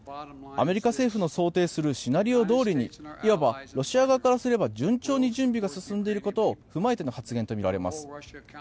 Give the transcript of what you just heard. アメリカ政府の想定するシナリオどおりにいわばロシア側からすれば順調に準備が進んでいることを踏まえての発言とみられます。